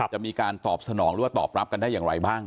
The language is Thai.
จะมีการตอบสนองหรือว่าตอบรับกันได้อย่างไรบ้าง